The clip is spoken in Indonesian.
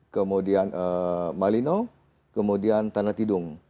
kemudian malino kemudian tanah tidung